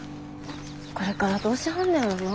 これからどうしはんねやろな。